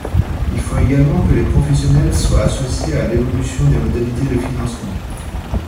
Il faut également que les professionnels soient associés à l’évolution des modalités de financement.